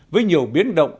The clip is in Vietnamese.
với nhiều biến động